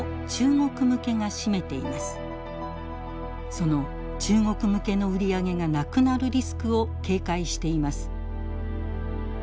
その中国向けの売り上げがなくなるリスクを警戒しています。